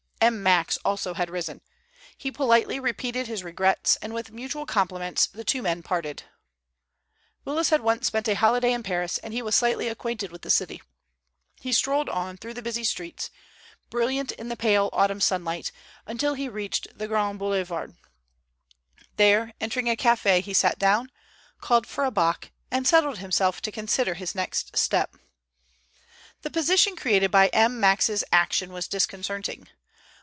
M. Max also had risen. He politely repeated his regrets, and with mutual compliments the two men parted. Willis had once spent a holiday in Paris, and he was slightly acquainted with the city. He strolled on through the busy streets, brilliant in the pale autumn sunlight, until he reached the Grands Boulevards. There entering a café, he sat down, called for a bock, and settled himself to consider his next step. The position created by M. Max's action was disconcerting.